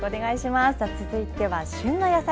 続いては、旬の野菜。